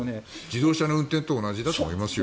自動車の運転と同じだと思います。